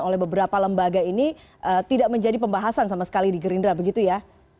oleh beberapa lembaga ini tidak menjadi pembahasan sama sekali di gerindra begitu ya